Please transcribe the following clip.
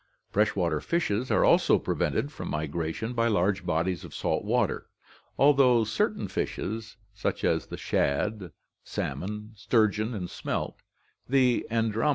Fresh water fishes are also prevented from migration by large bodies of salt water, although certain fishes such GEOGRAPHIC DISTRIBUTION 55 as the shad, salmon, sturgeon, and smelt — the anadromous (Gr.